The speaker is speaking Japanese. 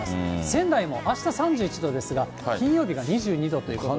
仙台もあした３１度ですが、金曜日が２２度ということで。